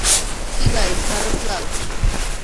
কী ভাই ভারত লাল।